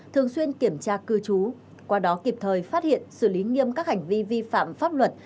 thường xuyên kiểm tra cư trú qua đó kịp thời phát hiện xử lý nghiêm các hành vi vi phạm pháp luật